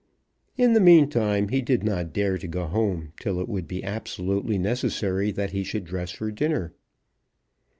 In the meantime he did not dare to go home till it would be absolutely necessary that he should dress for dinner.